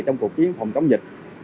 trong cuộc chiến phòng chống dịch